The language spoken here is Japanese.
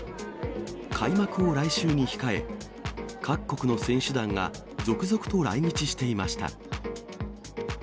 開幕を来週に控え、各国の選手団が続々と来日していました。